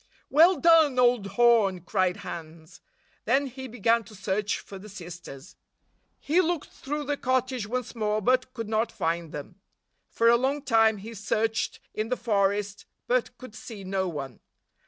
"Well done, old horn!" cried Hans. Then he began to search for the sisters. He looked through the cottage once more, but could not find them. For a long time, he searched in the forest, but could see no one.